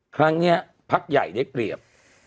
ครั้งนี้พักใหญ่ได้เปรียบ